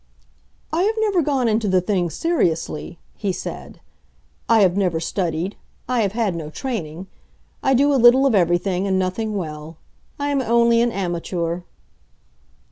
"I have never gone into the thing seriously," he said. "I have never studied; I have had no training. I do a little of everything, and nothing well. I am only an amateur."